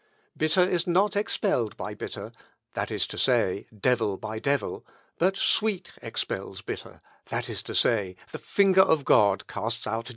Bitter is not expelled by bitter, that is to say, devil by devil; but sweet expels bitter, that is to say, the finger of God casts out demons."